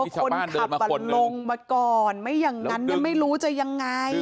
คนขับลงมาก่อนไม่อย่างนั้นไม่รู้จะยังไง